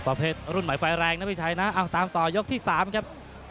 ประเภทรุ่นใหม่ไฟแรงนะพี่ชัยนะเอาตามต่อยกที่๓ครับ